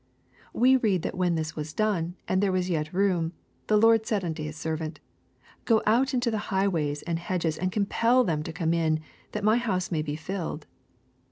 We read that when this was done, and there was yet room, " the lord said unto his servant, Go out into the high ways and hedges, and compel them tci come in, that my house may be filled.